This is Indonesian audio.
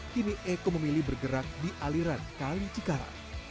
kini eko memilih bergerak di aliran kali cikarang